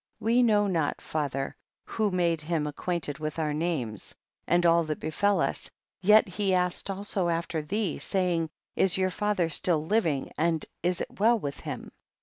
15. We know not, father, who made him acquainted with our names and all that befel us, yet he asked also after thee, saying, is your father still living, and is it well WMth him